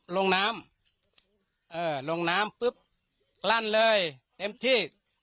ลงน้ำลงน้ำลั่นเลยเต็มที่